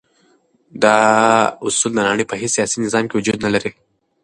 دا اصول د نړی په هیڅ سیاسی نظام کی وجود نلری.